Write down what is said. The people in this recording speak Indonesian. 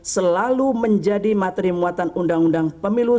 selalu menjadi materi muatan undang undang pemilu